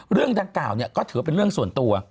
เรื่องดังกล่าวก็ถือว่าเป็นเรื่องส่วนตัว